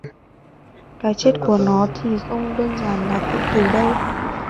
Cái chết của nó thì không đơn giản là tự tử đâu